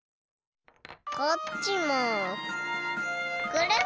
こっちもくるん。